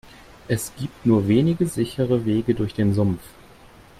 Es gibt nur wenige sichere Wege durch den Sumpf.